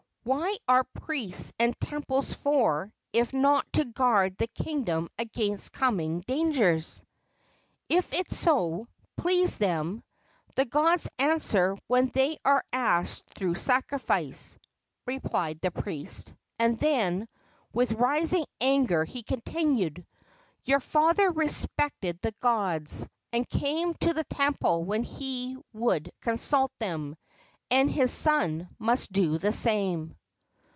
"What are priests and temples for, if not to guard the kingdom against coming dangers?" "If it so please them, the gods answer when they are asked through sacrifice," replied the priest; and then, with rising anger, he continued: "Your father respected the gods, and came to the temple when he would consult them, and his son must do the same."